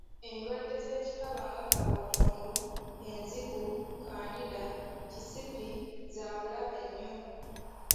Endwadde z’ekikaba nga kabootongo, enziku, kandida, kisipi za bulabe nnyo.